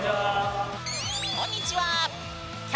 こんにちは。